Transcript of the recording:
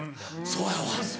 そうやわ。